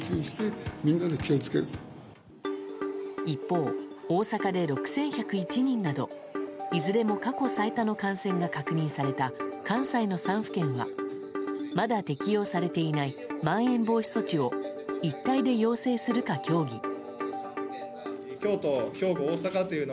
一方、大阪で６１０１人などいずれも過去最多の感染が確認された関西の３府県はまだ適用されていないまん延防止措置を一体で要請するか協議。